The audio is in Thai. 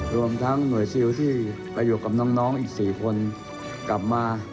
รวมทั้งหน่วยซิลที่ไปอยู่กับน้องอีก๔คนกลับมา